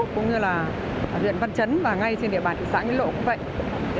cũng như là huyện văn chấn và ngay trên địa bàn thị xã nghĩa lộ cũng vậy